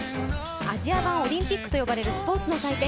アジア版オリンピックと呼ばれるスポーツの祭典。